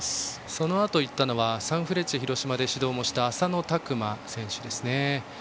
そのあとはサンフレッチェ広島で指導もした浅野拓磨選手ですね。